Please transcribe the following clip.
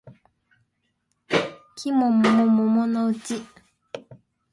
季も桃も桃のうち